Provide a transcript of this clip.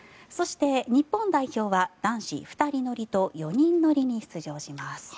そして、日本代表は男子２人乗りと４人乗りに出場します。